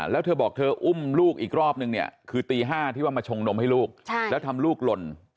แล้วเธอบอกเธออุ้มลูกอีกรอบนึงเนี่ยคือตี๕ที่ว่ามาชงนมให้ลูกแล้วทำลูกหล่น